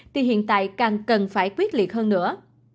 thì hiện tại càng cần phải quyết liệt hơn nữa